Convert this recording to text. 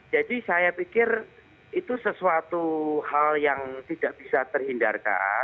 jadi saya pikir itu sesuatu hal yang tidak bisa terhindarkan